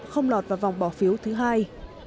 không lọt vào vòng bỏ phiếu thứ hai